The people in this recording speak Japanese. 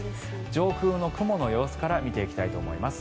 上空の雲の様子から見ていきたいと思います。